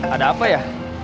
ada apa ya